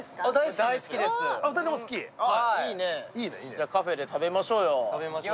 じゃあカフェで食べましょうよ。